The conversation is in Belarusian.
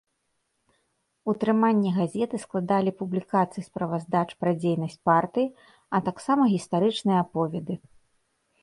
Утрыманне газеты складалі публікацыі справаздач пра дзейнасць партыі, а таксама гістарычныя аповеды.